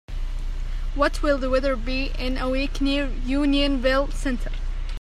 What will the weather be in a week near Unionville Center?